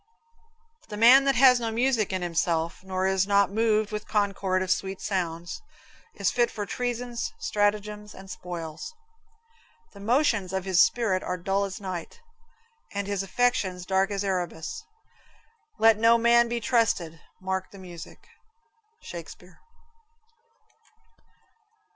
The man that has no music in himself, Nor is not moved with concord of sweet sounds, Is fit for treasons, stratagems and spoils; The motions of his spirit are dull as night, And his affections dark as Erebus. Let no such man be trusted. Mark the music. Shakespeare.